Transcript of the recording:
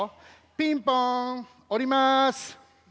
ピンポンおります。